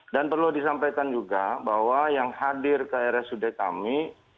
dan perlu disampaikan juga bahwa yang hadir ke rsud kami